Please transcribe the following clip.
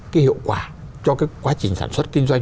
cái hiệu quả cho cái quá trình sản xuất kinh doanh